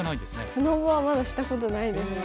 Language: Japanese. スノボはまだしたことないですね。